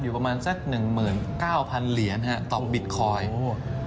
อยู่ประมาณสัก๑๙๐๐๐เหรียญครับต่อบิตคอยน์